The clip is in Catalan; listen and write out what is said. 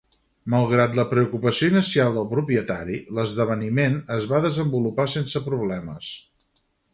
Malgrat la preocupació inicial del propietari, l'esdeveniment es va desenvolupar sense problemes.